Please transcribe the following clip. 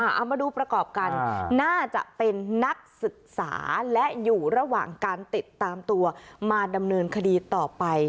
เอามาดูประกอบกันน่าจะเป็นนักศึกษาและอยู่ระหว่างการติดตามตัวมาดำเนินคดีต่อไป